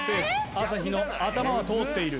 朝日の頭は通っている。